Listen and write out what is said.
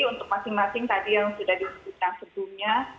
untuk masing masing tadi yang sudah disebutkan sebelumnya